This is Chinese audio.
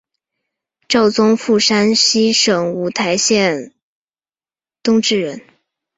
赵宗复山西省五台县东冶镇人。